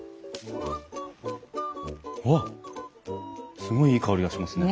すごいいい香りがしますね。